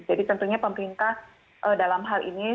jadi tentunya pemerintah dalam hal ini